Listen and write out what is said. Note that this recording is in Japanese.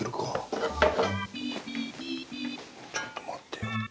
ちょっと待ってよ。